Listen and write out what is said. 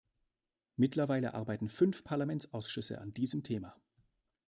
Mittlerweile arbeiten fünf Parlamentsausschüsse an diesem Thema.